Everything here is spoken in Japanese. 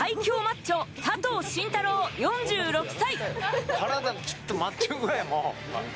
最強マッチョ、佐藤慎太郎、４６歳！